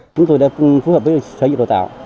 chúng tôi đã phù hợp với sở giáo dục và đào tạo